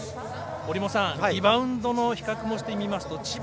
折茂さん、リバウンドの比較もしてみますと千葉